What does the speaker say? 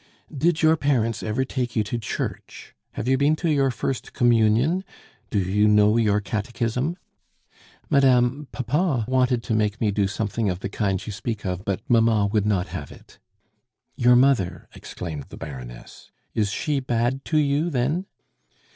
"Did your parents ever take you to church? Have you been to your first Communion? Do you know your Catechism?" "Madame, papa wanted to make me do something of the kind you speak of, but mamma would not have it " "Your mother?" exclaimed the Baroness. "Is she bad to you, then?"